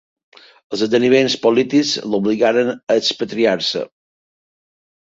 Els esdeveniments polítics l'obligaren a expatriar-se.